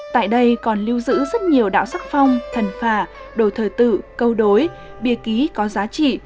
tại đây còn lưu giữ rất nhiều đạo sắc phong thần phả đồ thời tự câu đối bia ký có giá trị